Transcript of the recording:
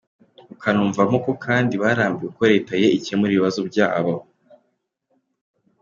Ukanumvamo ko kandi barambiwe uko leta ye icyemura ibibazo byabo!